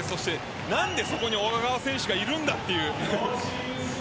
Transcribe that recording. なんでそこに小川選手がいるんだという。